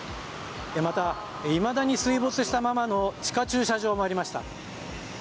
また、いまだに水没したままの地下駐車場もありました。